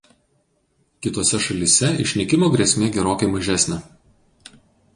Kitose šalyse išnykimo grėsmė gerokai mažesnė.